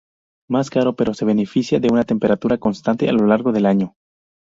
Más caro, pero se beneficia de una temperatura constante a lo largo del año.